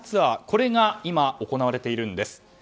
これが今、行われているんです。